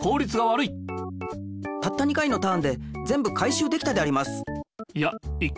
たった２回のターンでぜんぶ回しゅうできたであります。